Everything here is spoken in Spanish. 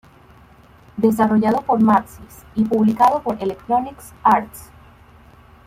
Desarrollado por Maxis y publicado por Electronic Arts.